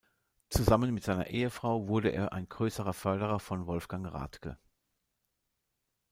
Zusammen mit seiner Ehefrau wurde er ein großer Förderer von Wolfgang Ratke.